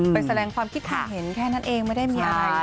ไปแสดงความคิดความเห็นแค่นั้นเองไม่ได้มีอะไร